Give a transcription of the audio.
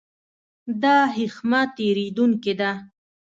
دا هښمه تېرېدونکې ده.